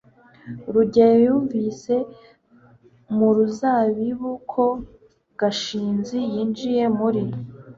rugeyo yumvise mu ruzabibu ko gashinzi yinjiye muri